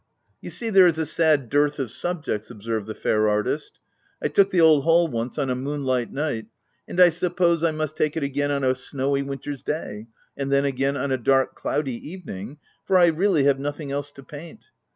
You see there is a sad dearth of subjects/' observed the fair artist. " I took the old hall once on a moonlight night, and I suppose I must take it again on a snowy winter's day, and then again on a dark cloudy evening ; for I really have nothing else to paint.